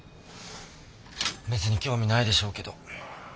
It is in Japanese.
別に興味ないでしょうけど。